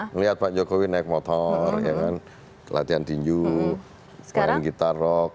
melihat pak jokowi naik motor latihan tinju sekarang gitar rock